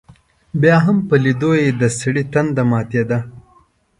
بیا هم په لیدلو یې دسړي تنده ماتېده.